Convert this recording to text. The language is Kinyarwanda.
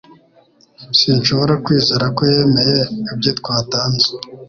Sinshobora kwizera ko yemeye ibyo twatanze